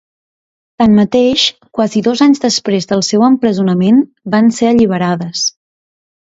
Tanmateix, quasi dos anys després del seu empresonament, van ser alliberades.